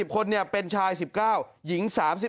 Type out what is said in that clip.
๕๐คนเนี่ยเป็นชาย๑๙หญิง๓๑